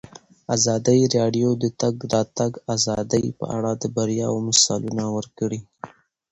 ازادي راډیو د د تګ راتګ ازادي په اړه د بریاوو مثالونه ورکړي.